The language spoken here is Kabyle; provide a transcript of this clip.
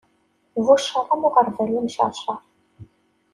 Bu cceṛ am uɣerbal imceṛceṛ.